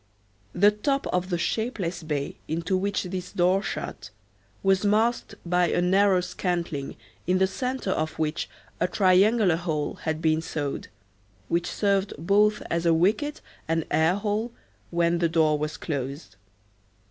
The top of the shapeless bay into which this door shut was masked by a narrow scantling in the centre of which a triangular hole had been sawed, which served both as wicket and air hole when the door was closed.